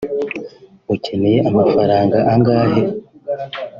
ukeneye amafaranga angahe